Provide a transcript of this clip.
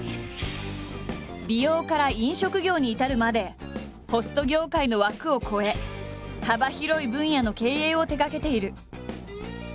美容から飲食業に至るまでホスト業界の枠を超え幅広い分野の経営を手がけている。